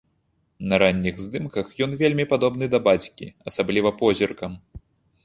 На ранніх здымках ён вельмі падобны да бацькі, асабліва позіркам.